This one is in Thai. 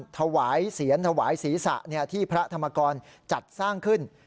ถวายเสียรถวายศีรษะที่พระธรรมกรจัดสร้างขึ้น